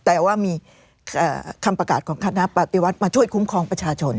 แต่ว่ามีคำประกาศของคณะปฏิวัติมาช่วยคุ้มครองประชาชน